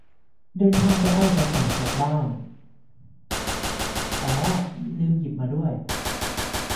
เดินทางไปเอาเอกสาร กลับบ้าน อ่อ ลืมหยิบมาด้วย